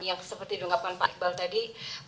yang seperti yang tunggapan pak iqbal tadi